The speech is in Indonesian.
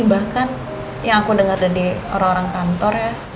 bahkan yang aku dengar dari orang orang kantornya